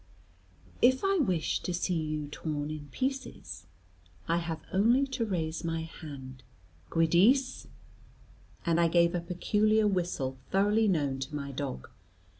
"If I wish to see you torn in pieces, I have only to raise my hand. Giudice!" And I gave a peculiar whistle thoroughly known to my dog.